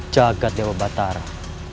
jagad dewa batara